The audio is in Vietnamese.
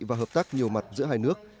và hợp tác nhiều mặt giữa hai nước